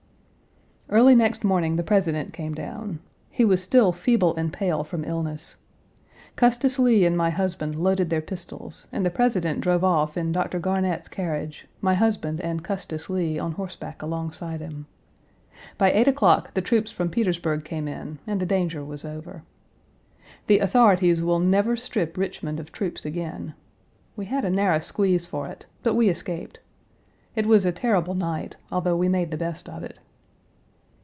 Early next morning the President came down. He was still feeble and pale from illness. Custis Lee and my husband loaded their pistols, and the President drove off in Dr. Garnett's carriage, my husband and Custis Lee on horseback alongside him. By eight o'clock the troops from Page 247 Petersburg came in, and the danger was over. The authorities will never strip Richmond of troops again. We had a narrow squeeze for it, but we escaped. It was a terrible night, although we made the best of it.